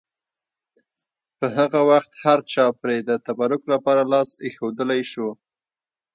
په هغه وخت هرچا پرې د تبرک لپاره لاس ایښودلی شو.